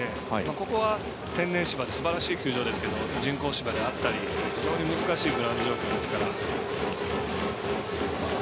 ここは、天然芝ですばらしい球場ですけど人工芝であったり、非常に難しいグラウンド状況ですから。